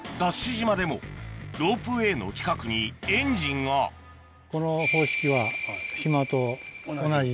島でもロープウエーの近くにエンジンがこの方式は島と同じですね。